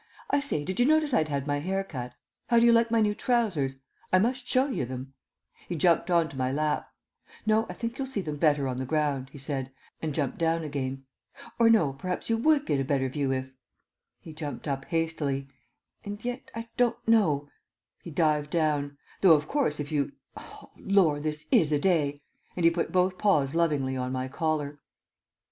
I say, did you notice I'd had my hair cut? How do you like my new trousers? I must show you them." He jumped on to my lap. "No, I think you'll see them better on the ground," he said, and jumped down again. "Or no, perhaps you would get a better view if " he jumped up hastily, "and yet I don't know " he dived down, "though, of course, if you Oh lor! this is a day," and he put both paws lovingly on my collar.